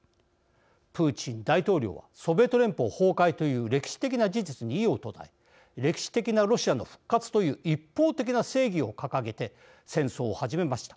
プーチン大統領はソビエト連邦崩壊という歴史的な事実に異を唱え歴史的なロシアの復活という一方的な正義を掲げて戦争を始めました。